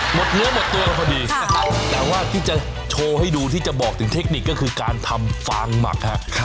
หมดเนื้อหมดตัวพอดีแต่ว่าที่จะโชว์ให้ดูที่จะบอกถึงเทคนิคก็คือการทำฟางหมักครับ